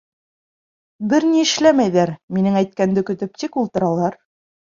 Бер ни эшләмәйҙәр, минең әйткәнде көтөп тик ултыралар.